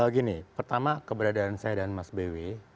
gini pertama keberadaan saya dan mas bw